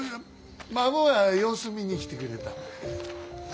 孫が様子見に来てくれた。